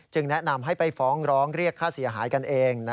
แนะนำให้ไปฟ้องร้องเรียกค่าเสียหายกันเอง